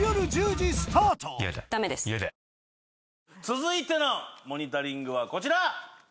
続いてのモニタリングはこちら！